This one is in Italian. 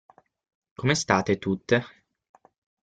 Come state tutte?